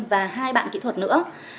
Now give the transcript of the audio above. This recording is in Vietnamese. và hai bạn kỹ thuật nữa